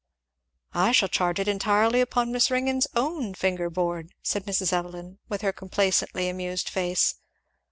"I shall charge it entirely upon Miss Ringgan's own fingerboard," said Mrs. Evelyn, with her complacently amused face.